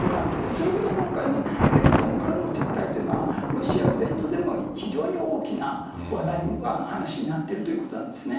それほど今回のヘルソンからの撤退というのは、ロシア全土でも非常に大きな話題に、話になっているということなんですね。